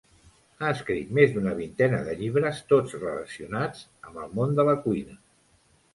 Ha escrit més d'una vintena de llibres tots relacionats amb el món de la cuina.